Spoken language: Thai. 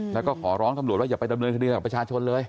แล้วก็ขอร้องตำรวจว่าอย่าไปดำเนินคดีกับประชาชนเลย